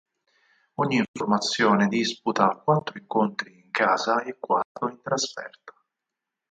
Ogni formazione disputa quattro incontri in casa e quattro in trasferta.